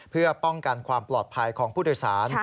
เพื่อป้องกันความปลอดภัยของผู้โดยสาร